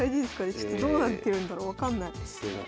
ちょっとどうなってるんだろう分かんない。